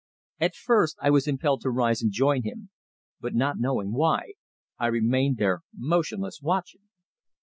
At first I was impelled to rise and join him, but not knowing why, I remained there motionless watching.